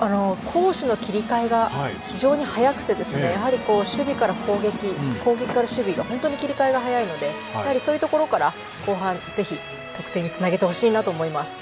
攻守の切り替えが非常に早くて守備から攻撃、攻撃から守備が本当に切り替えが早いのでそういうところから後半ぜひ得点につなげてほしいなと思います。